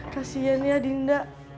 kasian ya dinda